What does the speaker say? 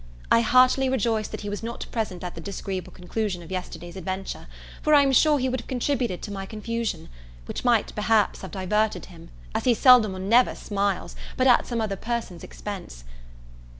I heartily rejoice that he was not present at the disagreeable conclusion of yesterday's adventure, for I am sure he would have contributed to my confusion; which might, perhaps, have diverted him, as he seldom or never smiles but at some other person's expense.